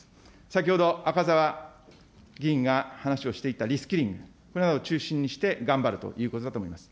先ほど赤澤議員が話をしていたリ・スキリング、これなどを中心にして頑張るということだと思います。